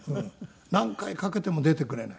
何回かけても出てくれない。